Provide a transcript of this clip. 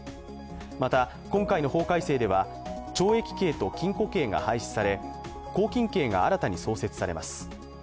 また、今回の法改正では懲役刑と禁錮刑が廃止され拘禁刑が新たに創設されます。